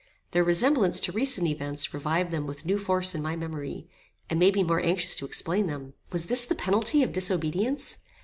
Their resemblance to recent events revived them with new force in my memory, and made me more anxious to explain them. Was this the penalty of disobedience?